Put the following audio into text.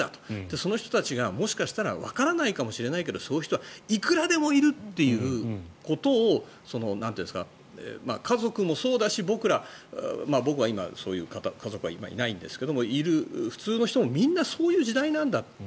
その人たちがもしかしたらわからないかもしれないけどそういう人はいくらでもいるということを家族もそうだし、僕は今そういう家族はいないんですけどいる、普通の人もみんなそういう時代なんだと。